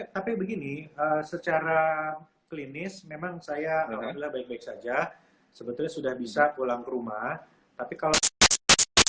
tapi begini secara klinis memang saya alhamdulillah baik baik saja sebetulnya sudah bisa pulang ke rumah tapi kalau